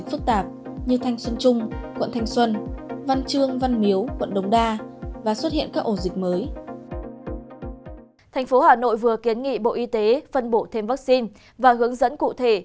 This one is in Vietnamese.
thành phố hà nội vừa kiến nghị bộ y tế phân bổ thêm vaccine và hướng dẫn cụ thể